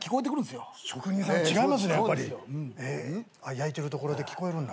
焼いてるところで聞こえるんだ。